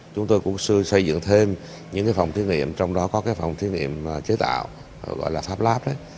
chúng tôi cũng xây dựng thêm những phòng thiên niệm trong đó có phòng thiên niệm chế tạo gọi là pháp lab